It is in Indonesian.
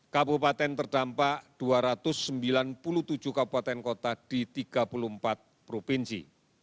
kabupaten terdampak dua ratus sembilan puluh tujuh kabupaten kota di tiga puluh empat provinsi